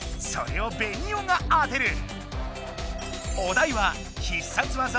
それをベニオが当てる！